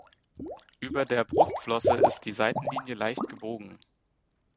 Über der Brustflosse ist die Seitenlinie leicht gebogen.